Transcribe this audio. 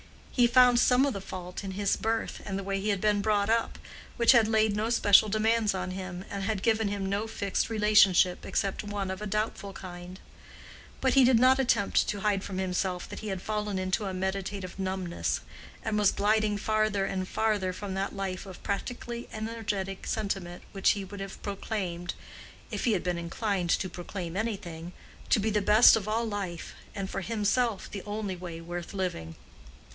He found some of the fault in his birth and the way he had been brought up, which had laid no special demands on him and had given him no fixed relationship except one of a doubtful kind; but he did not attempt to hide from himself that he had fallen into a meditative numbness, and was gliding farther and farther from that life of practically energetic sentiment which he would have proclaimed (if he had been inclined to proclaim anything) to be the best of all life, and for himself the only way worth living.